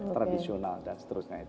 tradisional dan seterusnya